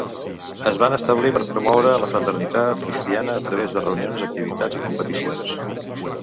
Es van establir per promoure la fraternitat cristiana a través de reunions, activitats i competicions.